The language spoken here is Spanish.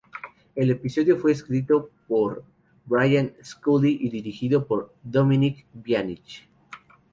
El episodio fue escrito por Brian Scully y dirigido por Dominic Bianchi.